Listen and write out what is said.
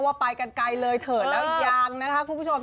ว่าไปกันไกลเลยเถิดแล้วยังนะคะคุณผู้ชม